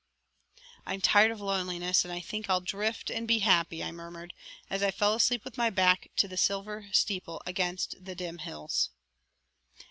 "I'm tired of loneliness and I think I'll drift and be happy," I murmured, as I fell asleep with my back to the silver steeple against the dim hills.